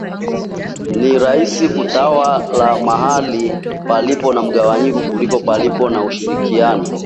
Na ni rahisi kutawala mahali palipo na mgawanyiko kuliko pale palipo na ushikamano